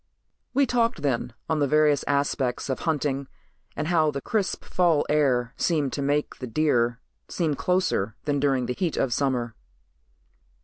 We talked then on the various aspects of hunting and how the crisp fall air seemed to make the deer seem closer than during the heat of summer.